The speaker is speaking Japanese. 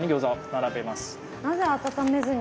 なぜ温めずに？